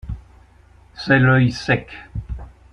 C’est l’œil sec.